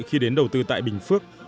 khi đến đầu tư tại bình phước